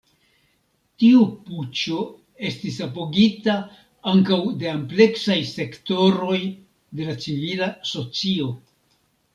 Tiu puĉo estis apogita ankaŭ de ampleksaj sektoroj de la civila socio.